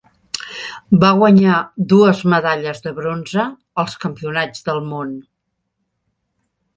Va guanyar dues medalles de bronze als Campionats del món.